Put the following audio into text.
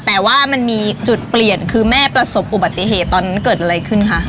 แต่ว่ามันมีจุดเปลี่ยนคือแม่ประสบอุบัติเหตุตอนนั้นเกิดอะไรขึ้นคะ